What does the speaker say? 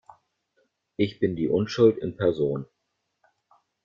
Ich bin die Unschuld in Person!